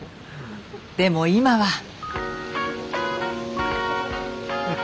でも今は。